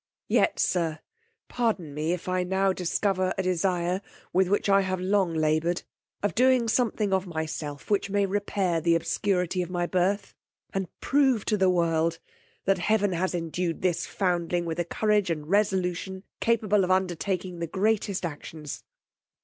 Yet, sir, pardon me if I now discover a desire with which I long have laboured, of doing something of myself which may repair the obscurity of my birth, and prove to the world that heaven has endued this foundling with a courage and resolution capable of undertaking the greatest actions.